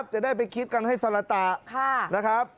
จะได้ไปคิดกันให้สละตะ